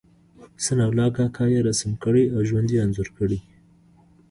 ثناء الله کاکا يې رسم کړی او ژوند یې انځور کړی.